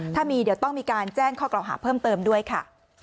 ถ้ามีเดี๋ยวต้องมีการแจ้งข้อกล่าวหาเพิ่มเติมด้วยค่ะ